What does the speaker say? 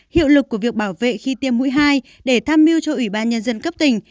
hiệu lực của việc bảo vệ khi tiêm mũi hai để tham mưu cho ủy ban nhân dân cấp tỉnh